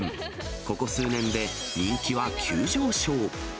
ここ数年で人気は急上昇。